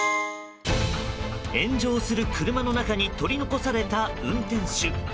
炎上する車の中に取り残された運転手。